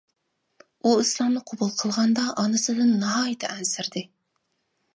ئۇ ئىسلامنى قوبۇل قىلغاندا ئانىسىدىن ناھايىتى ئەنسىرىدى.